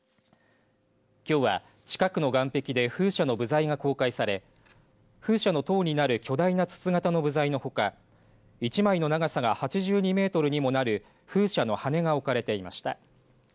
きょうは近くの岸壁で風車の部材が公開され風車の塔になる巨大な筒型の部材のほか１枚の長さが８２メートルにもなる風車の羽根が置かれていました。